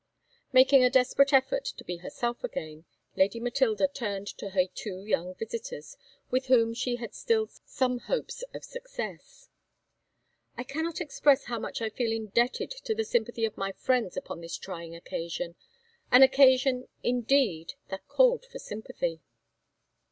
Making a desperate effort to be herself again, Lady Matilda turned to her two young visitors, with whom she had still some hopes of success. "I cannot express how much I feel indebted to the sympathy of my friends upon this trying occasion an occasion, indeed, that called for sympathy."